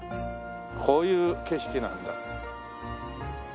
こういう景色なんだ。